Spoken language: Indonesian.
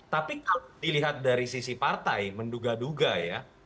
tapi kalau dilihat dari sisi partai menduga duga ya